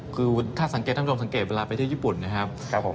คือถ้าสังเกตท่านผู้ชมสังเกตเวลาไปที่ญี่ปุ่นนะครับผม